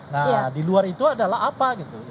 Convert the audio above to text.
nah di luar itu adalah apa gitu